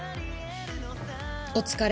お疲れ。